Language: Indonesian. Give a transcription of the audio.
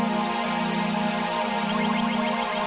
sampai ketemu lagi